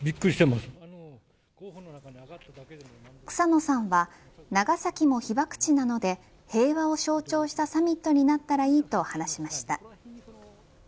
草野さんは長崎も被爆地なので平和を象徴したサミットになったらいいと話しました。